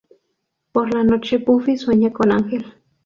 Por la noche, Buffy sueña con Ángel.